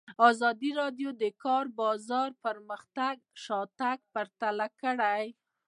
ازادي راډیو د د کار بازار پرمختګ او شاتګ پرتله کړی.